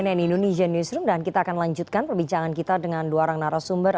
anda masih bersama kami di cnn indonesia newsroom dan kita akan lanjutkan perbincangan kita dengan dua orang narasumber